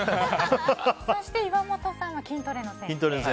そして岩本さんは筋トレの先生。